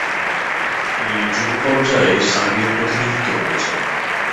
তিনি যুব পর্যায়ে সার্বিয়ার প্রতিনিধিত্ব করেছেন।